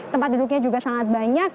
tempat duduknya juga sangat banyak